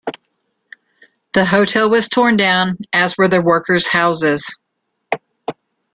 The hotel was torn down, as were the workers' houses.